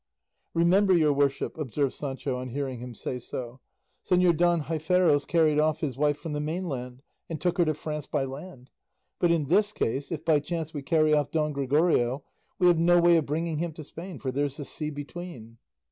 "Remember, your worship," observed Sancho on hearing him say so, "Señor Don Gaiferos carried off his wife from the mainland, and took her to France by land; but in this case, if by chance we carry off Don Gregorio, we have no way of bringing him to Spain, for there's the sea between."